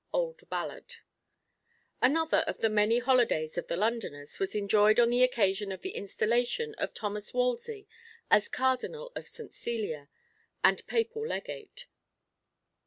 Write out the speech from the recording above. Old Ballad. Another of the many holidays of the Londoners was enjoyed on the occasion of the installation of Thomas Wolsey as Cardinal of St. Cecilia, and Papal Legate.